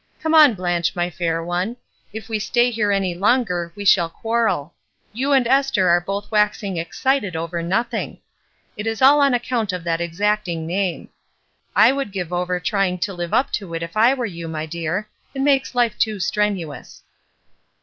Come on, Blanche, my fair one ; if we stay here any longer, we shall quarrel. You and Esther are both waxing excited over nothing. It is all on account of that exacting name. I would give over trying to live up to it if I were you, my dear; it makes life too strenuous."